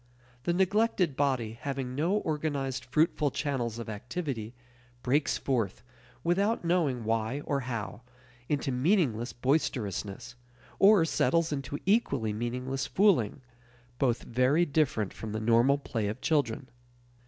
The neglected body, having no organized fruitful channels of activity, breaks forth, without knowing why or how, into meaningless boisterousness, or settles into equally meaningless fooling both very different from the normal play of children.